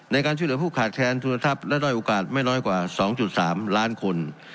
ในการช่วยเหลือผู้ขาดแค้นทุนทรัพย์และด้อยโอกาสไม่น้อยกว่า๒๓ล้านคน